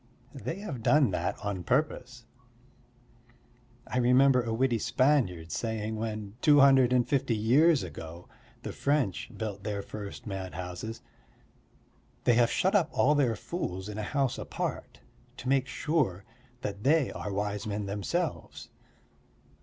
They have done that on purpose. I remember a witty Spaniard saying when, two hundred and fifty years ago, the French built their first madhouses: "They have shut up all their fools in a house apart, to make sure that they are wise men themselves."